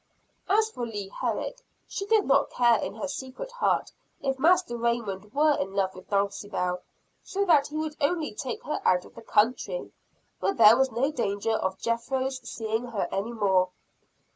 As for Leah Herrick, she did not care in her secret heart if Master Raymond were in love with Dulcibel so that he would only take her out of the country, where there was no danger of Jethro's seeing her any more.